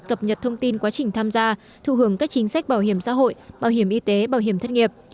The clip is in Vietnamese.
cập nhật thông tin quá trình tham gia thu hưởng các chính sách bảo hiểm xã hội bảo hiểm y tế bảo hiểm thất nghiệp